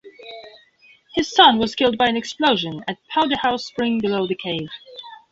His son was killed by an explosion at Powder House Spring below the cave.